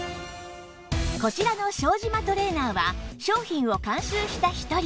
こちらの庄島トレーナーは商品を監修した一人